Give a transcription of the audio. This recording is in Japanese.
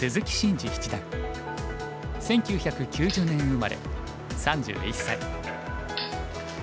１９９０年生まれ３１歳。